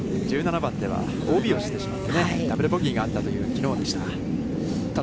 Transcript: １７番では、ＯＢをしてしまってね、ダブル・ボギーがあったというきのうでした。